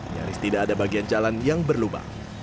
nyaris tidak ada bagian jalan yang berlubang